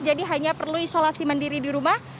jadi hanya perlu isolasi mandiri di rumah